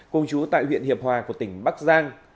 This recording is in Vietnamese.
cùng chú tại huyện hiệp hòa của tỉnh bắc giang